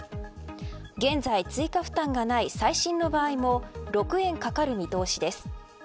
現在、追加負担がない再診の場合も６円かかる見通しです。